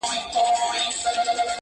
نور څه نه وای چي هر څه وای،